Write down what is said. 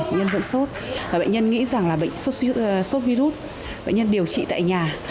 bệnh nhân vẫn sốt và bệnh nhân nghĩ rằng là sốt sốt virus bệnh nhân điều trị tại nhà